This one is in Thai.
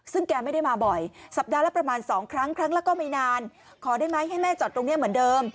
ซึ่งแกไม่ได้มาบ่อยสัปดาห์ละประมาณ๒ครั้งครั้งละก็ไม่นานขอได้ไหมให้แม่จอดตรงนี้เหมือนเดิม